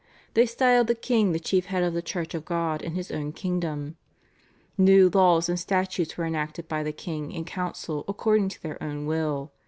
... They styled the king the chief head of the Church of God in his own kingdom. New laws and statutes were enacted by the king and council according to their own will.